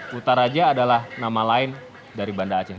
kutaraja adalah nama lain dari banda aceh